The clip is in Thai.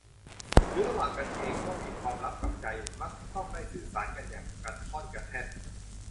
หรือระหว่างกันเองก็มีความลับกับใจ มักต้องได้สื่อสารกันอย่างกระท่อนกระแท่น